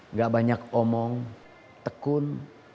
nggak banyak omong tekun